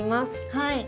はい。